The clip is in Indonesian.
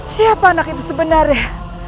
siapa anak itu sebenarnya